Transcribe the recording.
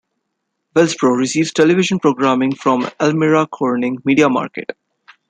Wellsboro receives television programming from the Elmira-Corning media market.